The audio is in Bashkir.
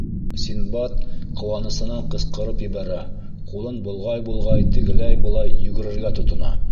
Синдбад ҡыуанысынан ҡысҡырып ебәрә, ҡулын болғай-болғай тегеләй-былай йүгерергә тотона.